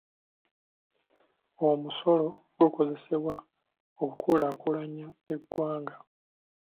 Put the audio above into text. Omusolo gukozesebwa okukulaakulanya eggwanga.